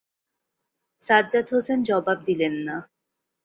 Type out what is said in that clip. সাজ্জাদ হোসেন জবাব দিলেন না।